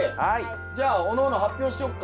じゃあおのおの発表しよっか。